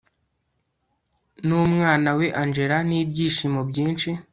numwana we angella nibyishimo byinshi